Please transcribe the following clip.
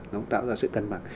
nó tạo ra sự cân bằng